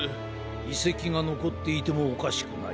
いせきがのこっていてもおかしくない。